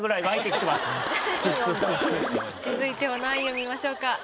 続いては何位を見ましょうか？